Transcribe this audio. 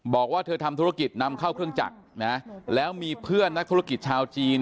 บอกว่าเธอทำธุรกิจนำเข้าเครื่องจักรนะแล้วมีเพื่อนนักธุรกิจชาวจีน